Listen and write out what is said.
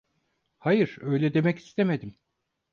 Hayır, öyle demek istemedim.